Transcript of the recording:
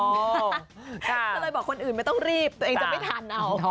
ก็เลยบอกคนอื่นไม่ต้องรีบตัวเองจะไม่ทันเอา